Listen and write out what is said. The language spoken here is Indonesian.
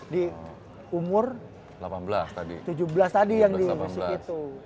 di umur tujuh belas tadi yang dimasuk itu